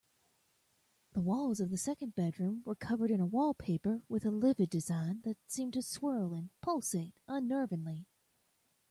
The walls of the second bedroom were covered in a wallpaper with a livid design that seemed to swirl and pulsate unnervingly.